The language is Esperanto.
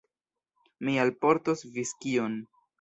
Mi alportos viskion.